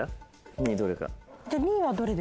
２位どれか。